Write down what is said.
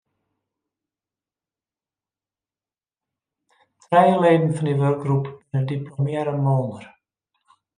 Trije leden fan dy wurkgroep binne diplomearre moolner.